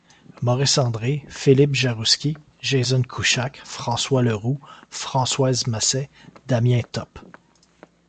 Maurice André, Philippe Jaroussky, Jason Kouchak, François Le Roux, Françoise Masset, Damien Top.